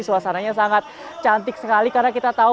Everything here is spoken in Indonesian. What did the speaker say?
suasananya sangat cantik sekali karena kita tahu